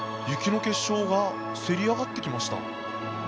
雪の結晶がせり上がってきました。